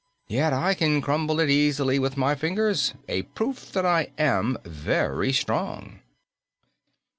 Yet I can crumble it easily with my fingers, a proof that I am very strong."